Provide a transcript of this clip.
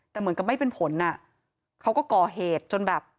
แต่เหมือนกับไม่เป็นผลอ่ะเขาก็ก่อเหตุจนแบบ